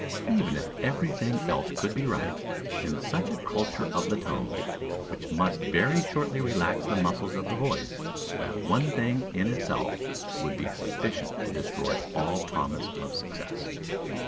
Even if every thing else could be right, in such a culture of the tone, which must very shortly relax the muscles of the voice, that one thing, in itself, would be sufficient to destroy all promise of success.